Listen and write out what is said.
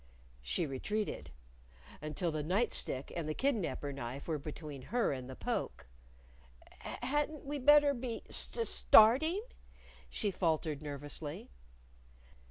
_ She retreated until the night stick and the kidnaper knife were between her and the poke. "Hadn't we better be st starting?" she faltered nervously.